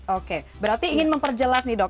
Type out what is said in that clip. oke berarti ingin memperjelas nih dok